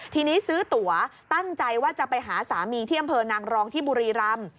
ทีนี้ซื้อตัวตั้งใจว่าจะไปหาสามีที่อำเภอนางรองที่บุรีรำ